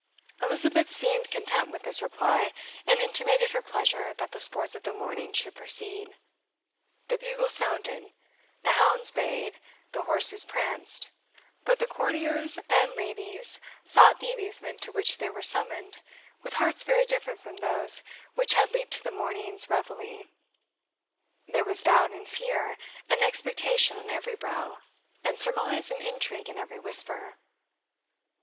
Elizabeth seemed content with this reply, and intimated her pleasure that the sports of the morning should proceed. The bugles sounded, the hounds bayed, the horses pranced but the courtiers and ladies sought the amusement to which they were summoned with hearts very different from those which had leaped to the morning's REVIELLE. There was doubt, and fear, and expectation on every brow, and surmise and intrigue in every whisper.